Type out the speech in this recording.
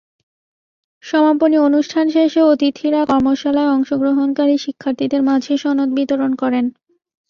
সমাপনী অনুষ্ঠান শেষে অতিথিরা কর্মশালায় অংশগ্রহণকারী শিক্ষার্থীদের মাঝে সনদ বিতরণ করেন।